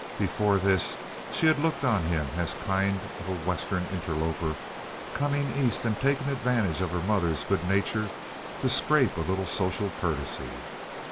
Before this she had looked on him as a kind of Western interloper coming East and taking advantage of her mother's good nature to scrape a little social courtesy.